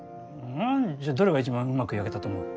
じゃあどれがいちばんうまく焼けたと思う？